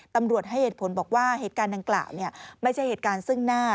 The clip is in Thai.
ตำรวจให้เหตุผลบอกว่าเหตุการณ์ดังกล่าวไม่ใช่เหตุการณ์ซึ่งหน้า